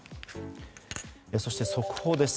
そして、速報です。